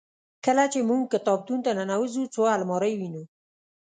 کله چې موږ کتابتون ته ننوزو څو المارۍ وینو.